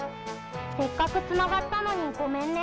「せっかくつながったのにごめんね。